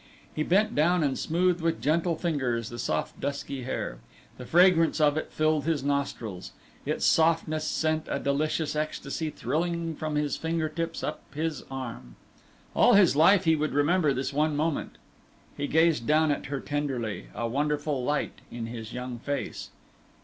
He bent down and smoothed with gentle fingers the soft, dusky hair. The fragrance of it filled his nostrils. Its softness sent a delicious ecstasy thrilling from his finger tips up his arm. All his life he would remember this one moment. He gazed down at her tenderly, a wonderful light in his young face.